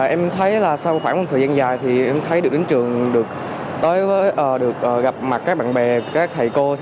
em thấy là sau khoảng một thời gian dài thì em thấy được đến trường được tới được gặp mặt các bạn bè các thầy cô